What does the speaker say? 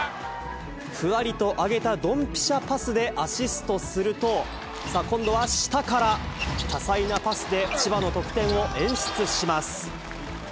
ふわりと上げたどんぴしゃパスでアシストすると、今度は下から、多彩なパスで千葉の得点を演出します。